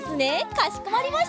かしこまりました。